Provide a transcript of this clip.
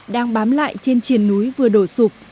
đang bám lại trên triền núi vừa đổ sụp